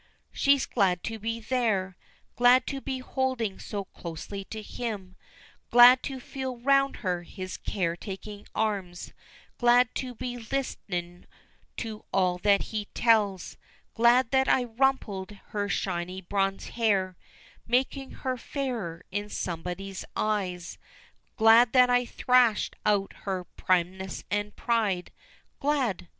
She's glad to be there, Glad to be holding so closely to him, Glad to feel round her his care taking arms, Glad to be list'ning to all that he tells, Glad that I rumpled her shiny bronze hair, Making her fairer in somebody's eyes; Glad that I thrashed out her primness and pride, Glad!